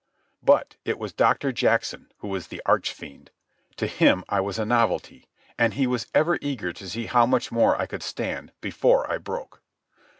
But it was Doctor Jackson who was the arch fiend. To him I was a novelty, and he was ever eager to see how much more I could stand before I broke.